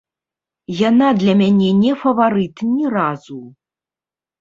Яна для мяне не фаварыт ні разу.